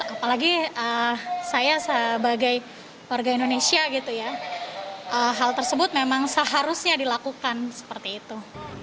apalagi saya sebagai warga indonesia gitu ya hal tersebut memang seharusnya dilakukan seperti itu